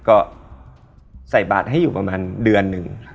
ก็ใส่บาทให้อยู่ประมาณเดือนหนึ่ง